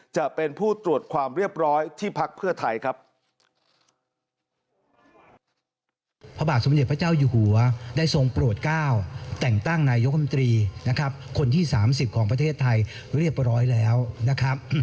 จะเป็นผู้ตรวจความเรียบร้อยที่พักเพื่อไทยครับ